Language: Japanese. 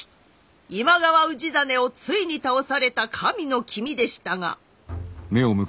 今川氏真をついに倒された神の君でしたが。